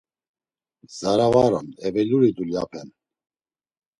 Zara var on eveluri dulyapen!